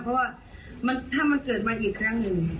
เพราะว่าถ้ามันเกิดมาอีกครั้งหนึ่ง